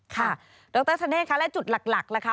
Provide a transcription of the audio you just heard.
ค่ะดรธนเนธคะแล้วจุดหลักแหละคะ